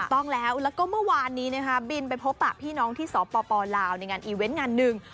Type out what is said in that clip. ต้องแล้วแล้วก็เมื่อวานนี้นะคะบินไปพบปะพี่น้องที่สปลาวในงานอีเวนต์งานหนึ่ง